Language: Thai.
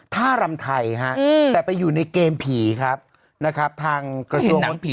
ท่ารำไทยฮะแต่ไปอยู่ในเกมผีครับนะครับทางกระทรวงหนังผี